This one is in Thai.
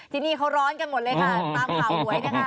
ที่นี่เขาร้อนกันหมดเลยค่ะตามข่าวหวยนะคะ